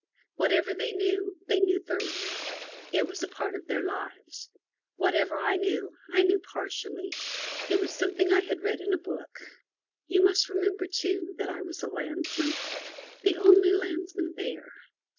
Whatever they knew, they knew thoroughly. It was a part of their lives. Whatever I knew, I knew partially. It was something I had read in a book. You must remember, too that I was a landsman — the only landsman there.